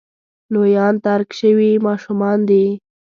لویان ترک شوي ماشومان دي.